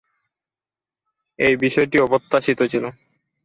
এ বিষয়টি অপ্রত্যাশিত ছিল।